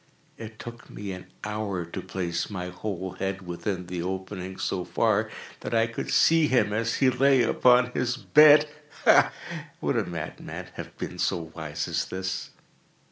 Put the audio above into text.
It took me an hour to place my whole head within the opening so far that I could see him as he lay upon his bed. Ha!—would a madman have been so wise as this?